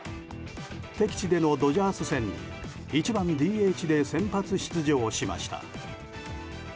敵地でのドジャース戦に１番ＤＨで先発出場しました。